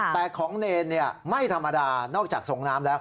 แต่ของเนรไม่ธรรมดานอกจากส่งน้ำแล้ว